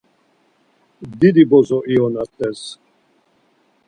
Didi bozo ionat̆es.